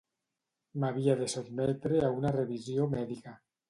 M'havia de sotmetre a una revisió mèdica